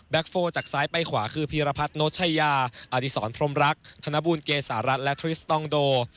โฟจากซ้ายไปขวาคือพีรพัฒน์โนชยาอดีศรพรมรักธนบูลเกษารัฐและทริสตองโด